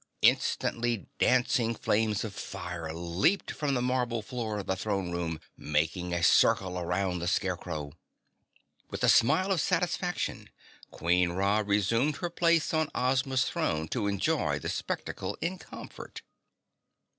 Instantly dancing flames of fire leaped from the marble floor of the throne room, making a circle around the Scarecrow. With a smile of satisfaction, Queen Ra resumed her place on Ozma's throne to enjoy the spectacle in comfort.